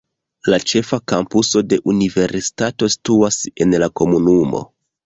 La ĉefa kampuso de universitato situas en la komunumo.